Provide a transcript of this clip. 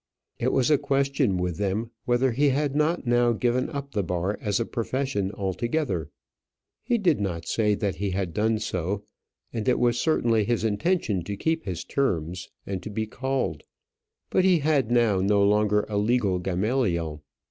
It was a question with them whether he had not now given up the bar as a profession altogether. He did not say that he had done so, and it was certainly his intention to keep his terms, and to be called; but he had now no longer a legal Gamaliel.